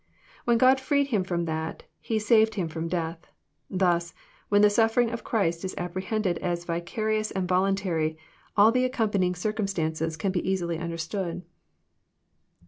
When God freed Him firom that. He saved Him from death. Thus, when the suffering of Christ is apprehended as vicarious and voluntary, all the accompanying circumstances can be easily understood."